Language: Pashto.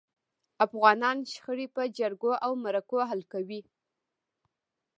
افغانان شخړي په جرګو او مرکو حل کوي.